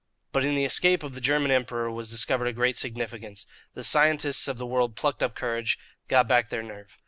But in the escape of the German Emperor was discovered a great significance. The scientists of the world plucked up courage, got back their nerve.